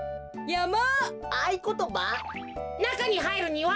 やま。